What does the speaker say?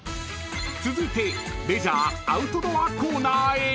［続いてレジャーアウトドアコーナーへ］